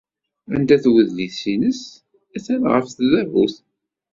Anda-t wedlis-nnes? Atan ɣef tdabut.